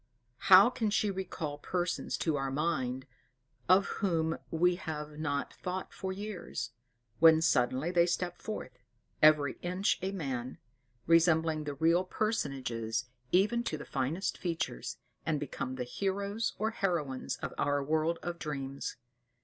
How well can she recall persons to our mind, of whom we have not thought for years; when suddenly they step forth "every inch a man," resembling the real personages, even to the finest features, and become the heroes or heroines of our world of dreams.